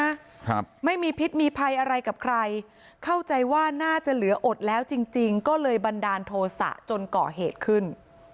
ครับไม่มีพิษมีภัยอะไรกับใครเข้าใจว่าน่าจะเหลืออดแล้วจริงจริงก็เลยบันดาลโทษะจนก่อเหตุขึ้น